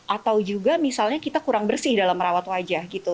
atau juga misalnya kita kurang bersih dalam merawat wajah gitu